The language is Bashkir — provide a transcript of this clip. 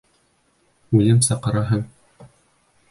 Үлем саҡыраһың!